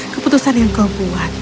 keputusan yang kau buat